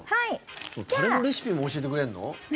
タレのレシピも教えてくれるの？